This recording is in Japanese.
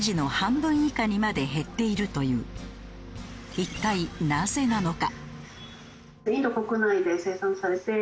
一体なぜなのか？